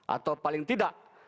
atau paling tidak